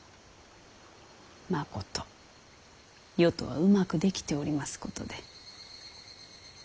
まこと世とはうまくできておりますことで。